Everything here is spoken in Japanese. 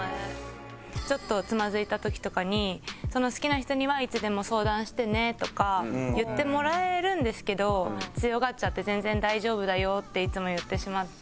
ちょっとつまずいた時とかに好きな人には「いつでも相談してね」とか言ってもらえるんですけど強がっちゃって「全然大丈夫だよ」っていつも言ってしまって。